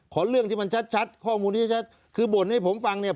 เรื่องที่มันชัดข้อมูลที่ชัดคือบ่นให้ผมฟังเนี่ย